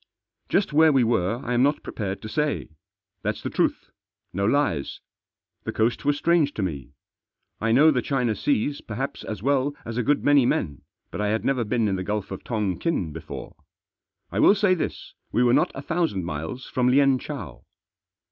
Just where we were I am not prepared to say. Thaf s the truth. No lies ! The coast was strange to me. I know the China Seas perhaps as well as a good many men, but I had never been in the Gulf of Tongkin before. I will say this, we were not a thousand miles from Lienchow.